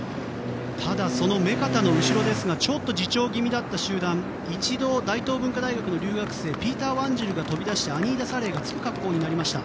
ただ、その目片の後ろですがちょっと自重気味だった集団一度、大東文化大学の留学生ピーター・ワンジルが飛び出してアニーダ・サレーがつく形になりました。